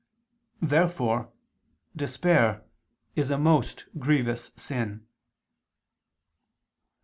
] Therefore despair is a most grievous sin.